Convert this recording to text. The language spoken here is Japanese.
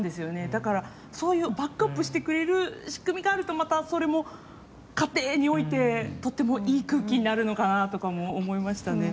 だから、そういうバックアップしてくれる仕組みがあるとまた、それも家庭においてとってもいい空気になるのかなとかも思いましたね。